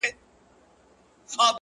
لوړ اخلاق خاموش عزت دی.!